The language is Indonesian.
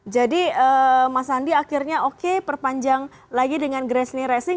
jadi mas andi akhirnya oke perpanjang lagi dengan gresini racing